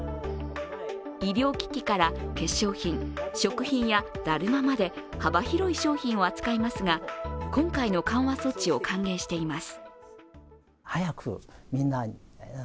医療機器から化粧品、食品やだるままで幅広い商品を扱いますが、今回の緩和措置を歓迎しています。